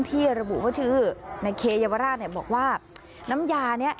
ที่ระบุว่าชื่อในเคเยาวราชเนี่ยบอกว่าน้ำยาเนี้ย